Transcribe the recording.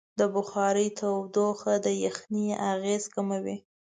د بخارۍ تودوخه د یخنۍ اغېز کموي.